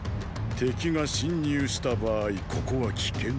⁉敵が侵入した場合ここは危険です。